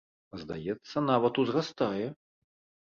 А здаецца, нават узрастае.